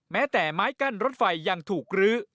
แม้แต่ไม้กั้นรถไฟยังถูกลื้อ